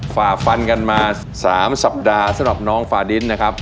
ฝ่าฟันกันมา๓สัปดาห์สำหรับน้องฝาดินนะครับ